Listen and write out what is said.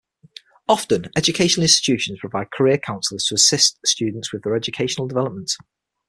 Often educational institutions provide career counsellors to assist students with their educational development.